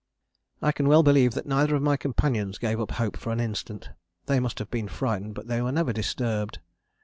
I can well believe that neither of my companions gave up hope for an instant. They must have been frightened but they were never disturbed.